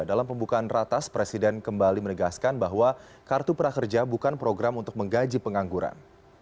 dalam pembukaan ratas presiden kembali menegaskan bahwa kartu prakerja bukan program untuk menggaji pengangguran